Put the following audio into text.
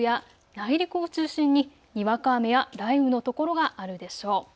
そして北部や内陸を中心ににわか雨や雷雨の所があるでしょう。